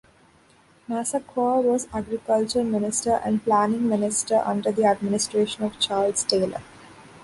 Massaquoi was agriculture minister and planning minister under the administration of Charles Taylor.